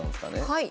はい。